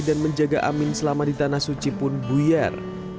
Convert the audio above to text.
dan menjaga amin selama di tanah suci pun buyar